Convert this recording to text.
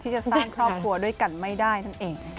จะสร้างครอบครัวด้วยกันไม่ได้นั่นเองนะคะ